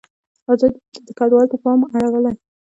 ازادي راډیو د کډوال ته پام اړولی.